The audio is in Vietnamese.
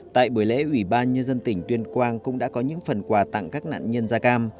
tại buổi lễ ủy ban nhân dân tỉnh tuyên quang cũng đã có những phần quà tặng các nạn nhân da cam